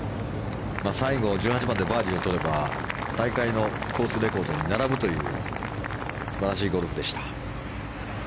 最後１８番でバーディーをとれば大会のコースレコードに並ぶという素晴らしいゴルフでした。